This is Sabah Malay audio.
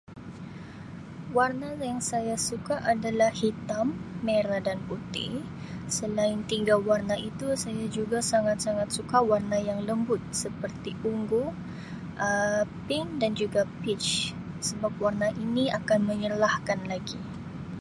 Warna yang saya suka adalah hitam, merah dan putih selain tiga warna itu saya juga sangat-sangat suka warna yang lembut seperti ungu, pink dan juga peach sebab warna ini akan menyerlah kan lagi.